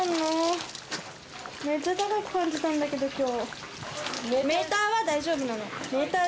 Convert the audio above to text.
めっちゃ高く感じたんだけど今日。